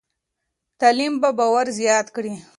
تعلیم به باور زیات کړي.